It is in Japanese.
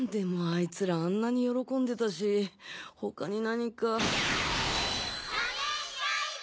あいつらあんなに喜んでたし他に何か